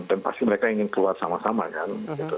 dan pasti mereka ingin keluar sama sama kan